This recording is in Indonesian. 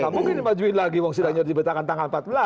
mungkin di majuin lagi wong sidangnya dibutuhkan tanggal empat belas